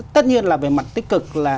tất nhiên là về mặt tích cực là